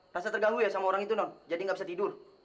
rasa terganggu ya sama orang itu non jadi nggak bisa tidur